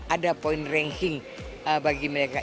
ada point ranking bagi mereka